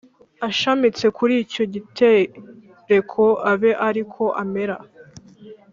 ashamitse kuri icyo gitereko abe ari ko amera